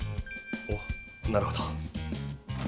おっなるほど。